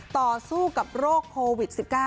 ต่อสู้กับโรคโควิด๑๙